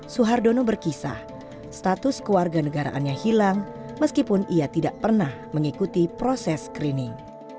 suhardono berkisah status keluarga negaraannya hilang meskipun ia tidak pernah mengikuti proses screening